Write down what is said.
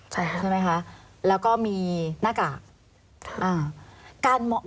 ใช่ครับใช่ไหมคะแล้วก็มีหน้ากากค่ะอ่า